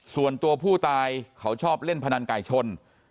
ส่วนตัวผู้ตายเขาชอบเล่นพนันไก่ชน